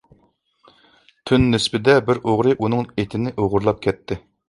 تۈن نىسبىدە بىر ئوغرى ئۇنىڭ ئېتىنى ئوغرىلاپ كەتتى.